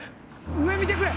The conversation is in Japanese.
上見てくれ！